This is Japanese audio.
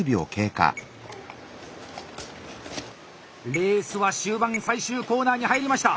レースは終盤最終コーナーに入りました！